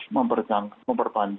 komunikasi komunikasi kolonial